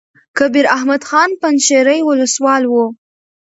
کبیر احمد خان پنجشېري ولسوال وو.